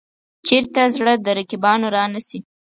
چېرته زړه د رقیبانو را نه شي.